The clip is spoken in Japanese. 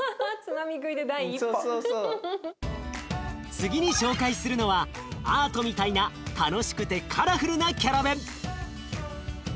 次に紹介するのはアートみたいな楽しくてカラフルなキャラベン。